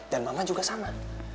dan mama juga sama